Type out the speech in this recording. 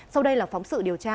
sau đây là phóng sự điều tra